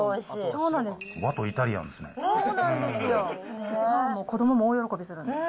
そうなんですよ。